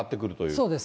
そうです。